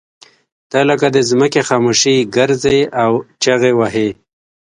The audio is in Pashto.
ته لکه د ځمکې خاموشي ګرځې او چغې وهې.